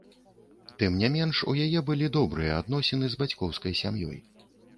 Тым не менш у яе былі добрыя адносіны з бацькоўскай сям'ёй.